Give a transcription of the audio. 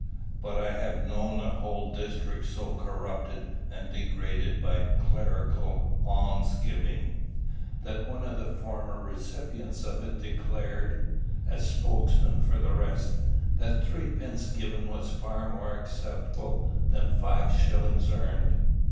But I have known a whole district so corrupted and degraded by clerical alms giving, that one of the former recipients of it declared, as spokesman for the rest; that threepence given was far more acceptable than five shillings earned."